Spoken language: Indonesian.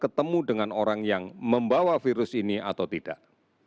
kita tidak pernah tahu dengan orang yang membawa virus ini atau tidak